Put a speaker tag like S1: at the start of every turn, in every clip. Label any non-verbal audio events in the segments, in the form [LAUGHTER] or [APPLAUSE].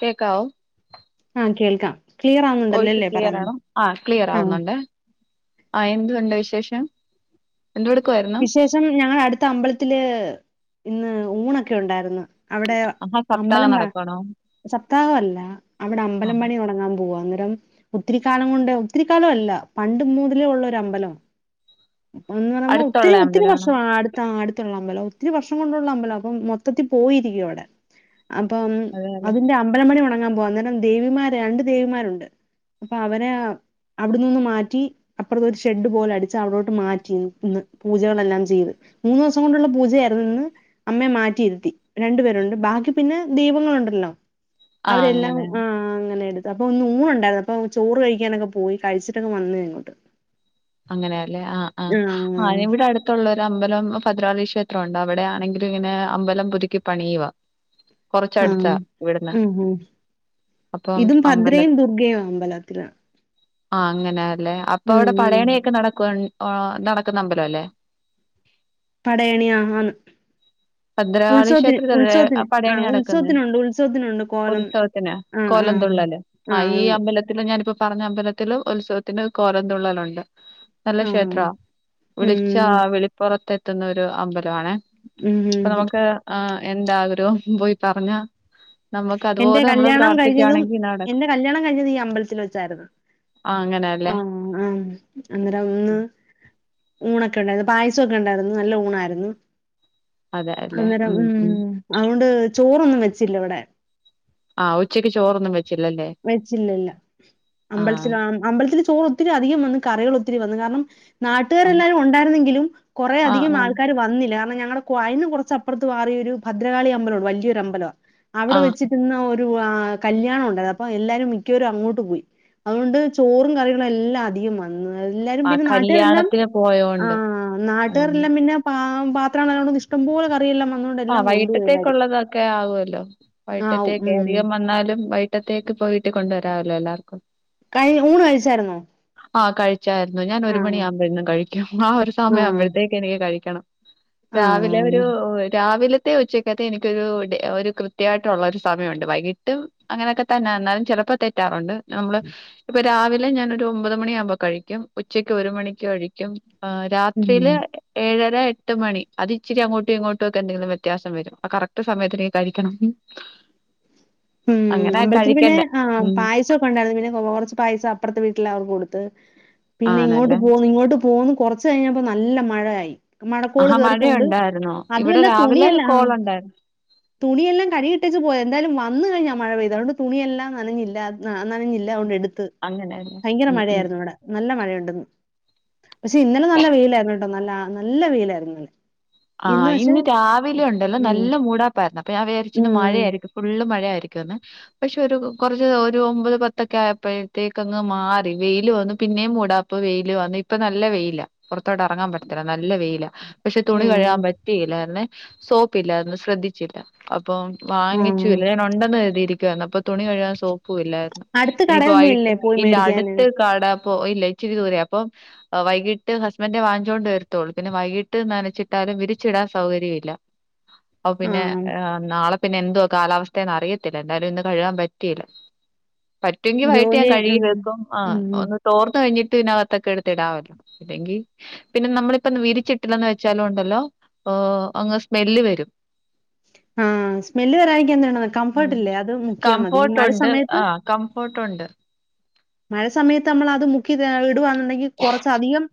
S1: കേക്കാവോ
S2: ആഹ് കേൾക്കാം. ക്ലിയർ
S1: വോയിസ്
S2: ആവുന്നുണ്ടല്ലോല്ലേ പറയുന്നെ
S1: ക്ലിയറാണോ? ആഹ്
S2: ആഹ്
S1: ക്ലിയറാവുന്നുണ്ടെ. ആഹ് എന്തുണ്ട് വിശേഷം എന്തോ എടുക്കുവായിരുന്നു?
S2: ഷം ഞങ്ങള അടുത്ത അമ്പലത്തില് ഇന്ന് ഊണൊക്കെ ഉണ്ടായിരുന്ന്. അവിടെ
S1: ആഹാ സപ്താഹം
S2: അമ്പലം മ്പ
S1: നടക്കുവാണോ
S2: സപ്താഹ അല്ല അവിടെ
S1: ആ
S2: അമ്പലം പണി തുടങ്ങാൻ പോവാ. അന്നേരം, ഒത്തിരി കാലം കൊണ്ട് ഒത്തിരി കാലം അല്ല പണ്ട് മുതലേ ഉള്ളൊര് അമ്പലവാ. എന്നു പറയുമ്പം
S1: അടുത്തുള്ള അമ്പലമാണോ
S2: ആഹ് അടുത്താ അടുത്തുള്ള അമ്പലവാ ഒത്തിരി വർഷം കൊണ്ടുള്ള അമ്പലാ അപ്പൊ മൊത്തത്തി പോയിരിക്കുവാ അവിടെ. അപ്പം
S1: അതെയല്ലേ
S2: അതിന്റെ അമ്പലം പണി തൊടങ്ങാൻ പോവാ. അന്നേരം ദേവിമാര് രണ്ട് ദേവിമാരുണ്ട്. അപ്പവരെ ആ അവിട്ന്നൊന്ന് മാറ്റി അപ്പുറത്ത് ഒരു ഷെഡ് പോലെ അടിച്ച് അവിടോട്ട് മാറ്റി ഇന്ന്. പൂജകളെല്ലാം ചെയ്ത് മൂന്ന് ദിവസം കൊണ്ടുള്ള പൂജയായിരുന്നു. ഇന്ന് അമ്മയെ മാറ്റിയിരുത്തി രണ്ടു പേരുണ്ട് ബാക്കി പിന്നെ ദൈവങ്ങളുണ്ടല്ലോ.
S1: ആ
S2: അവരെയെല്ലാം
S1: അങ്ങനെ
S2: ആഹ് അങ്ങനെടു ത്ത്. അപ്പം ഇന്ന് ഊണ് ഉണ്ടായിരുന്നു അപ്പം ചോറ് കഴിക്കാനൊക്കെ പോയി കഴിച്ചിട്ടൊക്കെ വന്ന് ഇങ്ങോട്ട്.
S1: അങ്ങനെയാ ല്ലേ. ആഹ് ആഹ്
S2: ആ
S1: ആഹ് ഇവിടടു ത്തുള്ള ഒരു അമ്പലം ഭദ്രകാളി ക്ഷേത്രം ഉണ്ട് അവിടെയാണെങ്കിലും ഇങ്ങനെ അമ്പലം പുതുക്കി പണിയുവാ. കുറച്ചടുത്താ
S2: ആഹ്
S1: ഇവിടുന്ന്
S2: ഉംഹും.
S1: അപ്പം
S2: ഇതും ഭദ്രയും ദുർഗ്ഗയും അമ്പലത്തിലാ.
S1: ആഹ് അങ്ങനാല്ലേ. അപ്പൊ അവിടെ
S2: ഉം
S1: പടയണി ഒക്കെ നടക്കും ഓ നടക്കുന്ന അമ്പലവല്ലേ?
S2: പടയണി ആഹാന്ന്.
S1: ഭദ്രകാളി
S2: ഉത്സവത്തിന്
S1: ക്ഷേത്രത്തിലല്ലേ
S2: ഉത്സവത്തിന്
S1: പടയണി
S2: ആഹ്
S1: നടക്കുന്നത്
S2: ഉത്സവത്തിനുണ്ട് ഉത്സവത്തിനുണ്ട് കോലം. ആ ആ
S1: കോലം തുള്ളല്
S2: ആ
S1: ആഹ് ഈ
S2: ഉണ്ട്
S1: അമ്പലത്തിലും ഞാനിപ്പ പറഞ്ഞ അമ്പല ത്തിലും ഉത്സവത്തിന് കോരം തുള്ളലുണ്ട്. നല്ല
S2: ആ ആ
S1: ക്ഷേത്രാ
S2: ഉം
S1: വിളിച്ചാ വിളിപ്പുറത്തെത്തുന്ന ഒരു അമ്പലവാണെ.
S2: ഉം
S1: ഇപ്പം നമുക്ക് ആഹ് എന്താഗ്രഹവും പോയി പറഞ്ഞാ നമ്മക്ക്
S2: എന്റെ
S1: അതുപോലെ നമ്മള്
S2: കല്യാണം കഴിഞ്ഞതും
S1: പ്രാർത്ഥിക്ക്യാണെങ്കി നടക്കും.
S2: എന്റെ കല്യാണം കഴിഞ്ഞത് ഈ അമ്പലത്തിൽ വെച്ചായിരുന്നു
S1: ആഹ് അങ്ങനാല്ലേ.
S2: ആഹ് ആഹ് അന്നേരം ഒന്ന് ഊണൊക്കെ ഉണ്ടായിരുന്നു പായസ ഒക്കെ ഉണ്ടായിരുന്നു നല്ല ഊണായിരുന്നു അന്നേരം ഉം. അവോണ്ട് ചോറൊന്നും വെച്ചില്ല ഇവടെ.
S1: ആഹ് ഉച്ചക്ക് ചോറൊന്നും വെച്ചില്ലല്ലേ.
S2: വെച്ചില്ല ഇല്ല
S1: ആ
S2: അമ്പലത്തിലാ അമ്പലത്തിൽ ചോറ് ഒത്തിരി അധികം വന്ന് കറികൾ ഒത്തിരി വന്നു കാരണം
S1: ആ
S2: നാട്ടുകാരെല്ലാരും ഉണ്ടായിരുന്നെങ്കിലും കുറേ
S1: ആ
S2: അധികം
S1: ആ
S2: ആൾക്കാര് വന്നില്ല. കാരണം ഞങ്ങളെ ക്വാ അയിന്ന് കുറച്ചപ്പുറത്ത് മാറി ഒരു ഭദ്രകാളി അമ്പലവുണ്ട് വലിയൊരു അമ്പലവാ. അവിടെ
S1: ആ
S2: വെച്ചിട്ട് ഇന്ന് ഒ രു ആഹ് കല്യാണം ഉണ്ടായ്ന്ന പ്പം എല്ലാരും മിക്കവരും അങ്ങോട്ട് പോയി. അതുകൊണ്ട് ചോറും കറികളും എല്ലാം അധികംമ ന്ന്. എല്ലാരും
S1: ആ
S2: പിന്നെ നാട്ടുകാരല്ലാം
S1: കല്യാണത്തിന് പോയോണ്ട്
S2: ആഹ്
S1: ഉം
S2: നാട്ടുകാരല്ലാം പിന്നെ പാ പാത്രങ്ങളെല്ലാം കൊണ്ടോന്ന് ഇഷ്ടപോലെ ക റിയെല്ലാം വന്നോണ്ടെ
S1: ആഹ് വൈകിട്ടത്തേക്കുള്ളതൊക്കെ ആവുവോല്ലോ
S2: ആഹ്
S1: വൈകിട്ടത്തേക്കേ
S2: ഉം
S1: അധികം വന്നാലും വൈ ക്ട്ടത്തേക്ക് പോയിട്ട് കൊണ്ടുവരാവല്ലോ എല്ലാർക്കും.
S2: കഴിഞ് ഊണ് കഴിച്ചായിരുന്നോ?
S1: ആഹ് കഴിച്ചായിരുന്നു ഞാൻ ഒരു
S2: ആഹ്
S1: മണിയാകുമ്പഴ് എന്നും കഴിക്കും ആ ഒരു
S2: ആഹ്
S1: സമയംആമ്പെഴത്തേക്ക് എനിക്ക് കഴിക്കണം രാവിലെ ഒരു
S2: ആഹ്
S1: എ രാവിലെത്തെ ഉച്ചക്കത്തെ എനിക്കൊരു ഒരു ഡേ കൃത്യയായിട്ടുള്ള ഒരു സമയമുണ്ട് വൈകിട്ടും അങ്ങനെയെക്കെ തന്നെ എന്നാലും ചെലപ്പെ തെറ്റാറുണ്ട് നമ്മള് ഇപ്പെ ഇ രാവിലെ ഞാനൊരു ഒമ്പത് മണിയാവുമ്പോ കഴിക്കും ഉച്ചക്ക് ഒരു മണിക്ക് കഴിക്കും ആഹ്
S2: ഉം.
S1: രാത്രിയിലെ ഏഴര, എട്ട് മണി അത് ഇച്ചിരി അങ്ങോട്ടും ഇങ്ങോ [UNINTELLIGIBLE] എന്തെങ്കിലും വ്യത്യാസം വരും ആ കറക്റ്റ് സമയത്തിന് കഴിക്കണം
S2: ഉംഹ്
S1: അങ്ങനെ
S2: അമ്പലത്തിന് പിന്നെ
S1: കഴിക്കണ്ടേ
S2: ആഹ്
S1: ഉം
S2: പായസോ ഒണ്ടായിരുന്നു പിന്നെ കെറച്ച് പൈസ അപ്പെറത്തെ വീട്ടിൽ അവർക്ക് കൊടുത്ത് പിന്നെ ഇങ്ങോട്ട്
S1: ആണല്ലേ
S2: പോന്ന് ഇങ്ങോട്ട് പോന്നു കൊറച്ച ഉച്ചകഴിഞ്ഞപ്പോ നല്ല മഴയായി മഴക്കോള്
S1: ആഹാ
S2: കേറിക്കൊണ്ട്
S1: മഴയുണ്ടായിരുന്നോ
S2: അതു
S1: ഇവിടെ
S2: അല്ലാ
S1: രാവിലെ
S2: തുണിയല്ല ആഹ് ആഹ്
S1: കോളുണ്ടായിരുന്നു
S2: തുണിയെല്ലാം കഴികിട്ടേച്ച് പോയത് എന്തായാലും വ വന്ന് കഴിഞ്ഞാ മഴ പെയ്തെ അതൊകൊണ്ട് തുണിയെല്ലാം നനഞ്ഞില്ല നനഞ്ഞില്ല അതൊണ്ട് എടുത്ത്
S1: അങ്ങനെയല്ലേ
S2: ഭയങ്കര
S1: ഉം ഉം
S2: മഴയായിരുന്നു ഇവ്ടെ നല്ല മഴയുണ്ടെന്ന് പക്ഷെ ഇന്നലെ നല്ല വെയിലായിരുന്നു നല്ല നല്ല വെയിലായിരുന്നു
S1: ആഹ് ഇന്ന് രാവിലെ ഒണ്ടല്ലോ
S2: മ്മ്.
S1: നല്ല മൂടാപ്പായിരുന്നു അപ്പൊ ഞാൻ വിചാരിച്ചു ഇന്ന്
S2: മ്മ്.
S1: മഴയായിരിക്കും ഫുള്ള് മഴയായിയിരിക്കുവെന്ന് പക്ഷെ ഒരു കെറച്ച് ഒരു ഒമ്പത് പത്തെക്കെ ആയപ്പഴത്തേക്ക് അങ്ങ് മാറി വെയില് വന്ന് പിന്നേ മൂടാ ഇപ്പൊ വെയില് വന്നു ഇപ്പൊ നല്ല വെയില പുറത്തോട്ട് എറങ്ങാൻ പറ്റത്തില്ല നല്ല വെയില തുണി കഴികാൻ
S2: മ്മ്.
S1: പറ്റിയില്ലാരേന്നെ സോപ്പിയില്ലാരേന്ന് ശ്രദ്ധിച്ചില്ല അപ്പോ
S2: ആ.
S1: വാങ്ങിച്ചുയില്ല ഞാൻ ഒണ്ടെന്ന് കരുതിയിരിക്കുവായിരുന്നു അപ്പോ തുണി കഴിവാൻ സോപ് പുല്ലായിരുന്നു
S2: അടുത്ത്
S1: ഇനിയിപ്പോ
S2: കടയൊന്നും ഇല്ലേ
S1: വൈയിട്ട്
S2: പോയി
S1: ഇല്ല
S2: മേടിക്കാന്?
S1: അടുത്ത് കാടാപ്പോ ഇല്ല ഇച്ചിരി ദൂരെയാ അപ്പൊ വൈകിട്ട് ഹസ്ബൻന്റ് വാങ്ങിച്ചോണ്ട് വരുത്തോള്ളൂ പിന്നെ വൈകിട്ട് നന ച്ചിട്ടാലും വിരിച്ചിടാൻ സൗകര്യയില്ല അപ്പ
S2: ആ.
S1: പിന്നെ നാളെ പിന്നെ എന്തുവാ കാലാവസ്ഥയെന്ന് അറിയത്തില്ല എന്തായാലും ഇന്ന് കഴുകാൻ പറ്റിയില്ല പറ്റുവെങ്കി വൈകിട്ട് ഞാൻ
S2: ജോലി
S1: കഴുകി
S2: മ്മ്.
S1: വെക്കും ആഹ്
S2: മ്മ്.
S1: ഒന്ന് തോർന്നു കഴിഞ്ഞിട്ട് ഇതിനകത്തൊക്കെ എടുത്തി ഇടാവല്ലോ എങ്കി പിന്നെ നമ്മളിപ്പൊ വിരിച്ചിട്ടില്ലന്ന് വെച്ച ചാലു ഉണ്ടല്ലോ ആഹ് അങ്ങ് സ്മെല് വരും
S2: ആഹ് സ്മെല് വരായിരിക്കാൻ എന്തു വേണോ കംഫോർട്ട്
S1: ഉം
S2: ഇല്ലേ അത് മുക്കിയാൽ മതി ഈ
S1: കംഫോർട്ട്
S2: മഴ
S1: ഉണ്ട്
S2: സമയത്ത്
S1: ആ കംഫോർട്ട് ഉണ്ട്
S2: മഴ സമയത്ത് നമ്മൾ അത് മുക്കി ഇടുക എന്നുണ്ടെങ്കിൽ കുറച്ച അധികം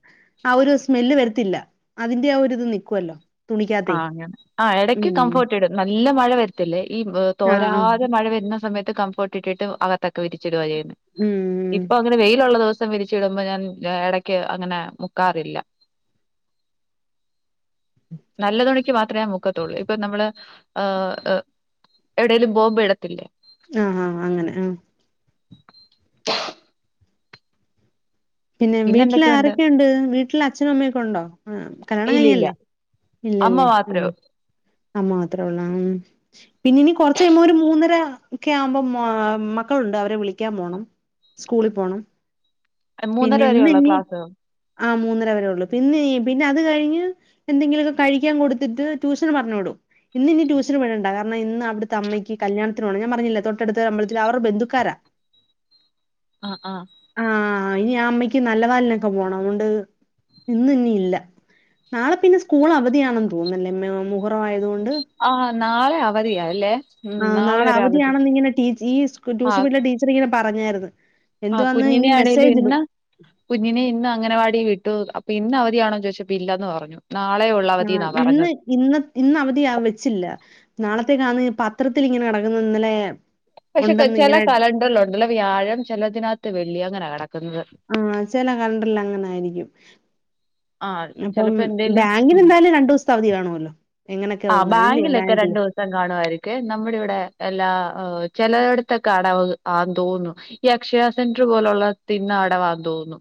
S2: ആ ഒരു സ്മെല്ല് വരത്തില്ല അതിന്റെ ആഹ് ഒരിത് നിക്കുവല്ലോ തുണിക്കകത്തേ.
S1: ആഗ്യം ആ എടയ്ക്ക് കംഫോർട്ട് ഇടും നല്ല മഴ വരത്തില്ലേ ഈ
S2: ആ, ആ.
S1: തോരാതെ മഴ വരുന്ന സമയത്ത് കംഫോർട്ട് ഇട്ടിട്ടിട്ട് അകത്തക്കെ വിരിച്ചിടുക ചെയ്യുന്നെ
S2: ഉംഹ്
S1: ഇപ്പൊ അങ്ങനെ വെയിലുള്ള ദിവസം വിരിച്ച് ഇടുമ്പോൾ ഞാൻ എടയ്ക്ക് അങ്ങനെ മുക്കാറില്ല നല്ലതുണിക്ക് മാത്രമേ മുക്കത്തുള്ളൂ ഇപ്പൊ നമ്മള് ഹ് എവിടേലും പോകുമ്പെ ഇടത്തില്ലേ
S2: ആഹ് ആഹ് അങ്ങനെ ആ പിന്നെ വീട്ടില് ആരൊക്കെയൊണ്ട് വീട്ടില് അച്ഛനും അമ്മയൊക്കെ ഒണ്ടോ കല്യാണം
S1: ഇല്ല ഇല്ല
S2: കഴിഞ്ഞല്ലേ?
S1: അമ്മ
S2: ഇല്ലല്ലേ
S1: മാത്രേ
S2: ഉംഹ് അമ്മ മാത്രമേ ഉള്ളെ പിന്നെ ഇനി കൊറച്ച് കഴിയുമ്പോരു മൂന്നര ഒക്കെ ആകുമ്പോ മാ മക്കളുണ്ട് അവരെ വിളിക്കാൻ പോണം. സ്കൂളിൽ പോണം.
S1: മൂന്നര
S2: പിന്നെ ഇന്ന്
S1: വരെയുള്ള
S2: ഇനി
S1: ക്ലാസ്
S2: ആഹ് മൂന്നര വരെ ഉള്ളു. പിന്നെ പിന്നെ അത് കഴിഞ്ഞ് എന്തെങ്കിലുമൊക്കെ കഴിക്കാൻ കൊടുത്തിട്ട് ട്യ ട്യൂഷന് പറഞ്ഞ് വ്ടും. ഇന്ന് ഇനി ട്യൂഷന് വിടണ്ട. കാരണം ഇന്ന് അവിടുത്തെ അമ്മയ്ക്ക് കല്യാണത്തിന് പോണം. ഞാൻ പറഞ്ഞില്ലേ തൊട്ടടുത്ത അമ്പലത്തില് അവരെ ബന്ധുക്കാരാ.
S1: ആഹ് ആഹ്
S2: ആഹ് ഇനി ആ അമ്മയ്ക്ക് നല്ല വാലിനൊക്കെ പോണം അതുകൊണ്ട് ഇന്നിനിയില്ല. നാളെ പിന്നെ സ്കൂൾ അവധിയാണെന്ന് തോന്നുന്നല്ലേ മെ മുഹ്റായതുകൊണ്ട്?
S1: ആഹ് നാളെ അവധിയാ അല്ലേ ഉം
S2: ആഹ് നാളെ
S1: ഒരു അവധി
S2: അവധിയാണെന്നിങ്ങനെ ടീ ഈ ട്യൂഷൻ
S1: ആഹ്
S2: വീട്ടിലെ ടീ ടീച്ചറിങ്ങനെ പരഞ്ഞാരുന്നു.
S1: ആഹ്
S2: എന്തുവാന്ന് ഇനി
S1: കുഞ്ഞിനെ ആണേലും
S2: മെസേജിടും.
S1: ഇന്ന് കുഞ്ഞിനെ ഇന്ന് അങ്ങനവാടി വിട്ടു. അപ്പൊ ഇന്ന് അവധിയാണോന്ന് ചോദിച്ചപ്പോ ഇല്ലന്ന് പറഞ്ഞു. നാളെയുള്ള
S2: ആഹ് ഇന്ന് ഇന്ന് ഇന്നവധിയാ വെച്ചില്ല. നാളത്തേക്കാന്ന് പത്രത്തിലിങ്ങനെ കെടക്കുന്നിന്നലെ
S1: പക്ഷെ ചെല കലണ്ടറിലുണ്ടല്ലോ വ്യാഴം ചെലതിനകത്ത് വെള്ളി അങ്ങനെയാ കെടക്കുന്നത്.
S2: ആഹ് ചെല കലണ്ടറിലങ്ങനെ ആയിരിക്കും.
S1: ആഹ്
S2: അപ്പം
S1: ചെലപ്പോ എന്തേലും ഉം
S2: ബാങ്കിനെന്തായാലും രണ്ടു ദിവസത്തെ അവധി കാണുഅല്ലോ എങ്ങനെയൊക്കെയ വന്നാലും എല്ലേ ബാങ്കില്
S1: കാണുമായിരിക്കെ. നമ്മുടിവിടെ എല്ലാ ചെലയിടത്തൊക്കെ അടവ് ആണെന്ന് തോന്നുന്നു. ഈ അക്ഷയ സെന്റർ പോലുള്ളതിന്നടവാന്ന് തോന്നുന്നു.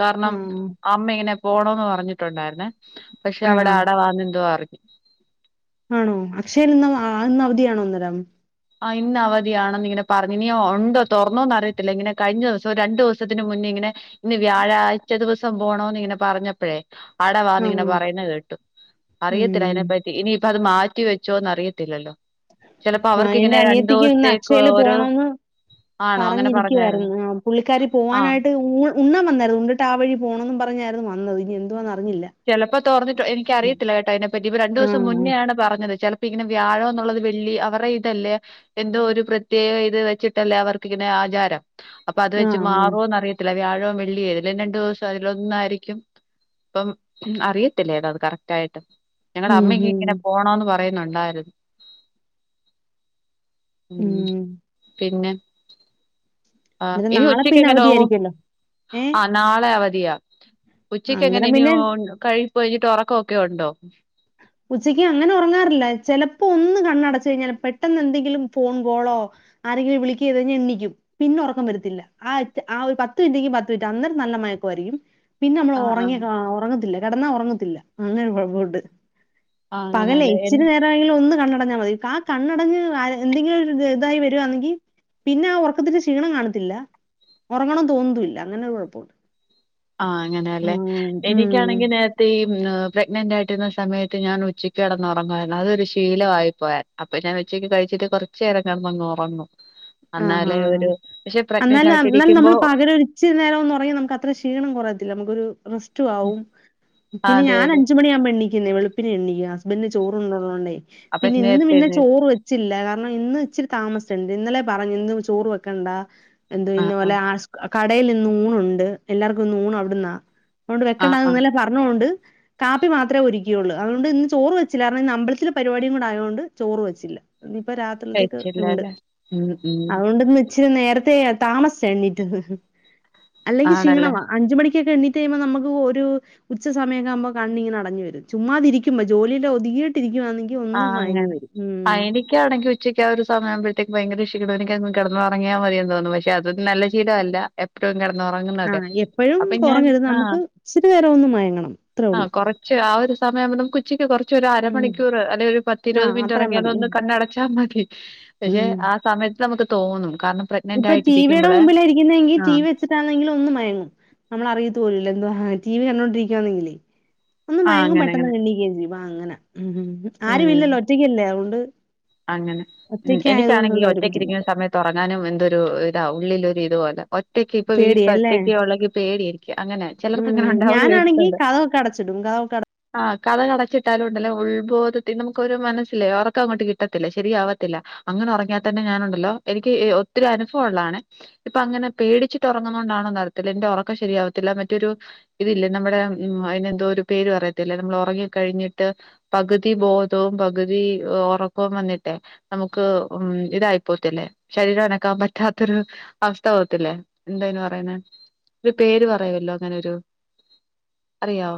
S1: കാരണം
S2: ആഹ്
S1: അമ്മ ഇങ്ങനെ പോണോന്ന് പറഞ്ഞിട്ടുണ്ടായിരുന്നേ. പക്ഷെ അവിടെ
S2: ആഹ്
S1: അടവാന്നെന്തോ അറിഞ്ഞു.
S2: ആണോ അക്ഷയേൽ ഇന്ന് ആ ഇന്നവധിയാണോന്നേരം?
S1: ആഹ് ഇന്ന് അവധിയാണെന്നിങ്ങനെ പറഞ്ഞു. ഇനീ ഒണ്ടോ തൊറന്നോന്നറിയത്തില്ല ഇങ്ങനെ കഴിഞ്ഞ ദിവസം രണ്ടു ദിവസത്തിനു മുന്നേ ഇങ്ങനെ ഇന്ന് വ്യാഴാഴ്ച ദിവസം പോണോന്നിങ്ങനെ പറഞ്ഞപ്പഴേ അടവാന്നിങ്ങനെ
S2: ആഹ്
S1: പറയുന്ന കേട്ടു അറിയത്തില്ല
S2: ഉം
S1: അയ്നെ പറ്റി ഇനിയിപ്പോ അത് മാറ്റി വെച്ചോന്നറിയത്തില്ലല്ലോ.
S2: ആഹ് എന്റനിയത്തിക്കിന്ന്
S1: ദിവസത്തേക്ക്
S2: അക്ഷയയില്
S1: ഓരോ
S2: പോണോന്ന്
S1: ആണോ അങ്ങനെ പറഞ്ഞായിരുന്നു
S2: പറഞ്ഞിരിക്കുവായിരുന്നു. ആ പുള്ളിക്കാരി
S1: ആ
S2: പോവാനായിട്ട് ഉണ്ണാൻ വന്നായിരുന്നു. ഉണ്ടിട്ടാവഴി പോണംന്നും പറഞ്ഞായിരുന്നു വന്നത്. ഇനി എന്തുആന്നറിഞ്ഞില്ല.
S1: ചെലപ്പോ തോറന്നിട്ട് എനിക്കറിയത്തില്ല കേട്ടാ അതിനെപ്പറ്റി ഇപ്പ രണ്ടു
S2: ആഹ്
S1: ദിവസം
S2: ആഹ്
S1: മുന്നേആണ് പറഞ്ഞത് ചെലപ്പോ പിങ്ങനെ വ്യാഴോന്നുള്ളത് വെള്ളി അവറെ ഇതല്ലേ എന്തോ ഒരു പ്രത്യേക ഇത് വെച്ചിട്ടല്ലേ അവർക്കിങ്ങനെ ആചാരം അപ്പ അത്
S2: ആഹ്
S1: വെച്ച്
S2: ആഹ്
S1: മാറോന്നറിയത്തില്ല. വ്യാഴം വെള്ളി ഏതേലും രണ്ടു ദിവസം അതിലൊന്നായിരിക്കും. അപ്പം അറിയത്തില്ല ഏതാ കറക്റ്റായിട്ട്. ഞങ്ങടെ
S2: ഉം
S1: അമ്മയ്ക്ക്
S2: ഉം
S1: ഇങ്ങനെ പോണോന്ന് പറയുന്നുണ്ടായിരുന്നു. മ്മ്ഹ്
S2: ഉം.
S1: പിന്നെ ആഹ്
S2: അന്നേരം
S1: ഇനി
S2: നാളെ പിന്നെ
S1: ഉച്ചക്കെങ്ങനെ പോവും
S2: അവധിയായിരിക്കുവല്ലോ. ഏഹ്
S1: ആ നാളെ അവധിയാ. ഉച്ചക്കെങ്ങനെ
S2: അന്നേരം
S1: ഇനി
S2: പിന്നെ
S1: കഴിപ്പ് കഴിഞ്ഞിട്ട് ഒറക്കൊക്കെ ഉണ്ടോ?
S2: ഉച്ചയ്ക്ക് അങ്ങനെ ഉറങ്ങാറില്ല. ചെലപ്പോ ഒന്ന് കണ്ണടച്ച് കഴിഞ്ഞാൽ പെട്ടെന്നെന്തെങ്കിലും ഫോൺ കോളോ ആരെങ്കിലു വിളികക്കേതഴിഞ്ഞ എണീക്കും. പിന്നെ ഒറക്കം വരത്തില്ല. ആഹ് ആഹ് ഒരു പത്ത് മിൻറ്റെങ്കി പത്ത് മിൻറ്റ് അന്നേരം നല്ല മയക്കായിയിരിക്കും പിന്നെ നമ്മള്
S1: ആ ആ
S2: ഒറങ്ങിയ ഒറങ്ങത്തില്ല. കെടന്നാ ഒറങ്ങത്തില്ല അങ്ങനൊരു പ്രോബ്ലുണ്ട്
S1: ആ
S2: പകലേ
S1: അങ്ങനല്ലേ
S2: ഇച്ചിരിനേര ഒന്ന് കണ്ണടഞ്ഞാ മതി. ആ കണ്ണടഞ്ഞ് എന്തെങ്കിലും ഒരു ഇത് ഇതായി വരുകാന്നെങ്കി പിന്നെ ആ ഒറക്കത്തിന്റെ ക്ഷീണം കാണത്തില്ല. ഒറങ്ങണം തോന്നത്തുല്യ. അങ്ങനെ ഒരു കൊഴപ്പുണ്ട്.
S1: ആഹ് അങ്ങനെയല്ലേ എനിക്കാണെങ്കി ഈ പ്രെഗ്നന്റ് ആയിട്ടിരുന്ന സമയത്ത് ഞാൻ ഉച്ചയ്ക്ക് കിടന്നുറങ്ങുവായിരുന്നതൊരു ശീലമായി പോയെ അപ്പൊ ഞാൻ ഉച്ചയ്ക്ക് കഴിച്ചിട്ട് കൊറേച്ചേരം കെടന്നങ്ങുറങ്ങും.
S2: ആഹ് ആഹ്
S1: പ്രഗ്നന്റ്
S2: അന്നാലും ന്നാലും
S1: ആയിട്ടിരിക്കുമ്പോ
S2: നമ്മള് പകരം ഒര് ഇച്ചിരി നേരം ഒന്നുറങ്ങിയാ നമുക്കത്ര ക്ഷീണം കുറയത്തില്ലെ നമുക്കൊരു റെസ്റ്റും ആവും
S1: ആ,
S2: പിന്നെ
S1: അതെ
S2: ഞാൻ
S1: അതെ
S2: അഞ്ച് മണിയാവുമ്പോ എണീക്കുന്നെ വെളുപ്പിന് എണീക്കും ഹസ്ബന്റിനു ചോറ് കൊണ്ടൊണോണ്ടെ
S1: അപ്പൊ
S2: പിന്നെ ഇന്ന്
S1: നേരത്തെ
S2: പിന്നെ
S1: എഴുന്നേൽക്കും
S2: ചോറ് വെ ച്ചില്ല കാരണം ഇന്ന് ഇച്ചിരി താമസിച്ച്ന്റ് ഇന്നലെ പറഞ്ഞു ഇന്ന് ചോറ് വെക്കണ്ട എന്ത് ഇന്നപോലെ ആഹ് കടേൽ ഇന്ന് ഊണുണ്ട് എല്ലാർക്കും ഊൺ അവിട്ന്നാ അഓണ്ട്
S1: ആഹ്
S2: വെക്കണ്ടാന്ന്
S1: ആഹ്
S2: ഇന്നലെ പറഞ്ഞോണ്ട് കാപ്പി മാത്രേ ഒരുക്കിയൊള്ള് അഓണ്ട് ഇന്ന് ചോറ് വെച്ചില്ല കാരണം ഇന്ന് അമ്പലത്തില് പരിപാടികൂടെ ആയാേണ്ട് ചോറ് വെച്ചില്ല ഇനിപ്പാ രാത്രി
S1: കഴിക്കണ്ടാലേ ഉം ഉം
S2: അഓണ്ട്ന്ന് ഇച്ചിരി നേരത്തെ താമസിച്ച എണ്ണീറ്റത് അല്ലെങ്കി
S1: ആണല്ലേ
S2: ക്ഷീണവാ അഞ്ച് മണിക്കൊക്കെ എണ്ണീറ്റ് കഴിയുമ്പോ നമുക്ക് ഒരു ഉച്ച സമയൊക്കെ ആവുമ്പോ കണ്ണിങ്ങനെ അടഞ്ഞ് വരും ചുമ്മാതിരിക്കുമ്പോ ജോലീല് ഒതിങ്ങീയിട്ടിരിക്കുവാന്നെ യൊഒന്നു മഴങ്ങി ഉം
S1: എനിക്കാണെങ്കിൽ ഉച്ചയ്ക്ക് ആ ഒരു സമയം ആവുമ്പഴ്ത്തേക്ക് ഭയങ്കര ക്ഷീണം എനികൊന്ന്കെടന്ന് ഒർങ്ങിയാ മതീന്ന് തോന്നും പക്ഷേ അതൊരു നല്ല ശീല അല്ല എപ് എപ്പ്ളും കെടന്നു ഒറങ്ങുന്നതെ
S2: ആഹ് എപ്പഴും
S1: അപ്പൊ ഞാൻ
S2: ഒറങ്ങരുത്.
S1: ആഹ്
S2: നമുക്ക് ഇച്ചിരി നേരം ഒന്ന് മയങ്ങണം. അത്രേ ഉള്ളൂ.
S1: ആഹ് കൊറേ ച്ച് ആ ഒരു സമയാവുമ്പോ നമുക്ക് ഉച്ചക്ക് കൊറച്ചൊരു
S2: ഉം.
S1: അരമണിക്കൂ ക്കൂറ് അല്ലെ ഒരു പത്തിരുപത്
S2: ആഹ്
S1: മിനിറ്റ്
S2: അത്രേം മതി. ഉം.
S1: ഒറങ്ങിയാലൊന്ന് കണ്ണടച്ചാ മതി പഷേ
S2: ഉം.
S1: ആ സമയത്ത് നമുക്ക് തോന്നും കാരണം പ്രക്
S2: ഇപ്പൊ ടിവിയുടെ മുമ്പിലായ ഇരിക്കുന്നെങ്കി ടി വി ച്ചിട്ടാണെങ്കിൽ ഒന്ന് മയങ്ങും നമ്മള് അറിയത്ത് പോലും ഇല്ല എന്താ ടി വി കണ്ടോണ്ടിരിക്കുകവാന്നെങ്കിലേ ഒന്ന്
S1: ആഹ്
S2: മയങ്ങും
S1: അങ്ങനെ അങ്ങനെ
S2: പെട്ടെന്ന് എണീക്കെംചെയ്യും അങ്ങനെ ഉം ആരും
S1: ഉം
S2: ഇല്ലല്ലോ ഒറ്റയ്ക്കല്ലേ അഓണ്ട്
S1: അങ്ങനെ എനിക്കാണെങ്കി
S2: ഒരു
S1: ഒറ്റയ്ക്കിരിക്കുന്ന
S2: ബുദ്ധിമുട്ട്.
S1: സമയത്ത് ഒറങ്ങാനും എന്തൊരു ഇതാ ഉള്ളിലൊരു ഇതുപോലെ ഒറ്റക്ക് ഇപ്പൊ
S2: പേടിയാല്ലേ?
S1: വീട്ടില്ഒറ്റക്കാ ഒള്ളെങ്കി പേട്യായിരിക്കും അങ്ങനെ ചെലർക്ക് അങ്ങനെ ഉണ്ടാവുന്ന് കേട്ടിട്ടുണ്ട്
S2: ചുടുങ്കാവോക്കെട്
S1: ആഹ് കതക് അടച്ചിട്ടാലും ഉണ്ടല്ലോ ഉൾബോധത്തി നമുക്ക് ഒരു മനസ്സിലേ നറക്കം അങ്ങോട്ട് കിട്ട് ത്തില്ല ശരിയാവത്തില്ല അങ്ങനെ ഒർങ്ങിയാ തന്നെ ഞാനുണ്ടല്ലോ എനിക്ക് ഒത്തിരി അനുഭവള്ളാണ് ഇപ്പ അങ്ങനെ പേടിച്ചിട്ട് ഒർങ്ങുന്ന കൊണ്ടാണോ അറിയത്തില്ല എന്റെ ഉറക്കം ശരിയാവത്തില്ല മറ്റൊരു ഇതില്ലേ നമ്മുടെ ഉം അയ്ന് എന്തോരു പേര് പറയത്തില്ലേ നമ്മള് ഒർങ്ങി കഴിഞ്ഞിട്ട് പകുതി ബോധോം പകുതി ഒറ ക്കം വന്നിട്ടെ നമുക്ക് ഉം ഇതായി പോവത്തില്ലേ ശരീരം അനക്കാൻ പറ്റാത്തൊരു അവസ്ഥ പോകത്തില്ലേ എന്താ അയിന് പറയുന്നെ ഒരു പേര് പറയുവല്ലോ അങ്ങനൊരു അറിയാേ